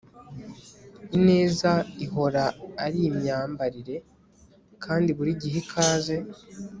ineza ihora ari imyambarire, kandi buri gihe ikaze